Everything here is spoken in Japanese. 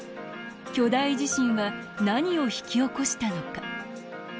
巨大地震は何を引き起こしたのか。